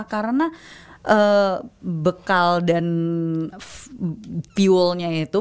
karena bekal dan fuelnya itu